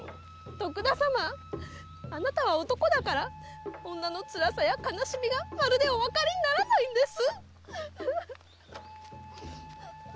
徳田様あなたは男だから女のつらさや悲しみがまるでおわかりにならないんです！